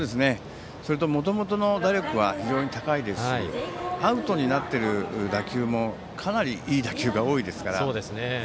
それと、もともとの打力は非常に高いですしアウトになっている打球もかなりいい打球が多いですから。